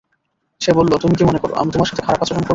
সে বলল, তুমি কি মনে কর, আমি তোমার সাথে খারাপ আচরণ করব।